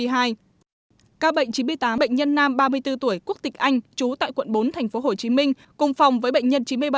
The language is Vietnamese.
ca bệnh chín mươi tám bệnh nhân nam ba mươi bốn tuổi quốc tịch anh trú tại quận bốn tp hcm cùng phòng với bệnh nhân chín mươi bảy